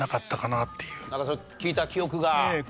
なんかそう聞いた記憶が？ええ。